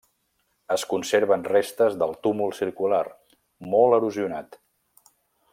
Es conserven restes del túmul circular, molt erosionat.